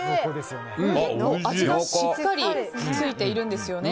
結構味がしっかりついているんですよね。